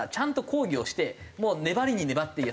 粘りに粘っていや